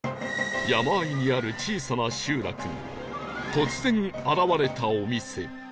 山あいにある小さな集落に突然現れたお店